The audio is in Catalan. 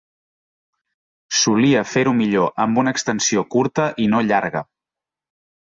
Solia fer-ho millor amb una extensió curta i no llarga.